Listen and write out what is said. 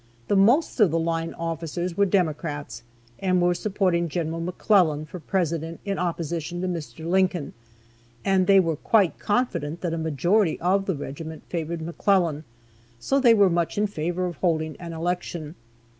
The most of the line officers were Democrats, and were supporting Gen. McClellan for President in opposition to Mr. Lincoln, and they were quite confident that a majority of the regiment favored McClellan, so they were much in favor of holding an election.